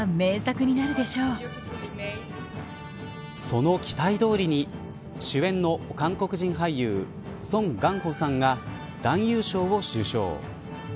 その期待どおりに主演の韓国人俳優ソン・ガンホさんが男優賞を受賞。